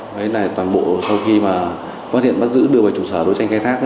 đấy là toàn bộ sau khi mà phát hiện bắt giữ đưa vào trụ sở đối tranh khai thác